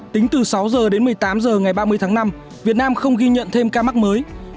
tính từ sáu h đến một mươi tám h ngày ba mươi tháng năm việt nam không ghi nhận thêm ca mắc mới